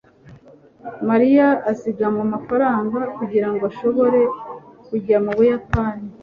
Mariya azigama amafaranga kugirango ashobore kujya mu Buyapani.